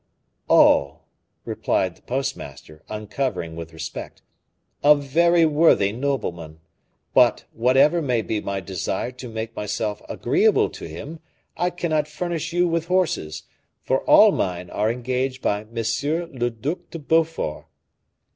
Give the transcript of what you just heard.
"Oh!" replied the postmaster, uncovering with respect, "a very worthy nobleman. But, whatever may be my desire to make myself agreeable to him, I cannot furnish you with horses, for all mine are engaged by M. le Duc de Beaufort."